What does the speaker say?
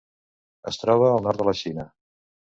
Es troba al nord de la Xina.